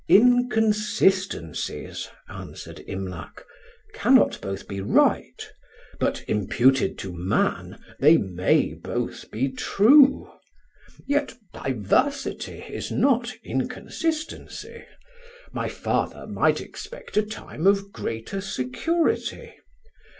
"Inconsistencies," answered Imlac, "cannot both be right; but, imputed to man, they may both be true. Yet diversity is not inconsistency. My father might expect a time of greater security.